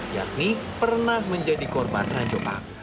yakni pernah menjadi korban ranjau paku